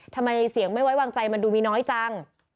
ทำไมเสียงไม่ไว้วางใจมันดูมีน้อยจัง